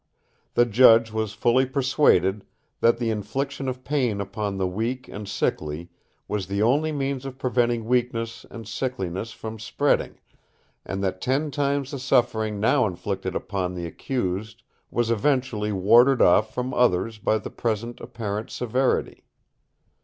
The judge was fully persuaded that the infliction of pain upon the weak and sickly was the only means of preventing weakness and sickliness from spreading, and that ten times the suffering now inflicted upon the accused was eventually warded off from others by the present apparent severity.